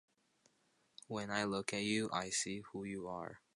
When I look at you, I see who you are.